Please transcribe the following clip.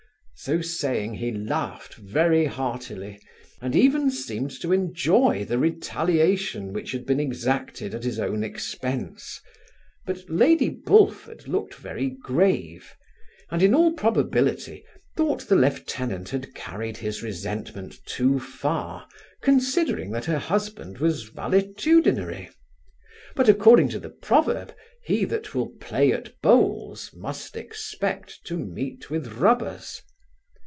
So saying, he laughed very heartily, and even seemed to enjoy the retaliation which had been exacted at his own expence; but lady Bullford looked very grave; and in all probability thought the lieutenant had carried his resentment too far, considering that her husband was valetudinary but, according to the proverb, he that will play at bowls must expect to meet with rubbers.